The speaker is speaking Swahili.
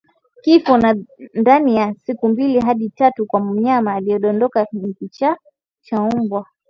Kifo ndani ya siku mbili hadi tatu kwa mnyama aliyedondoka ni kichaa cha mbwa